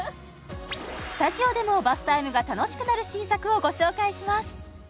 スタジオでもバスタイムが楽しくなる新作をご紹介します